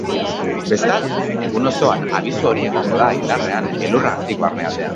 Bestalde, egun osoan abisu horia egongo da indarrean elurragatik barnealdean.